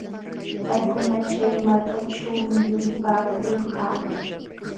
Paykuna chay malkaćhuumi yulipaakulqaa.